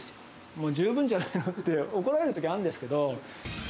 もう十分じゃないのって怒られるときあるんですけど。